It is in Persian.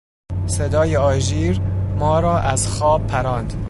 صدای آژیر ما را از خواب پراند.